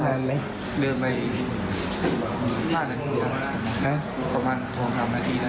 สายไปพูดไว้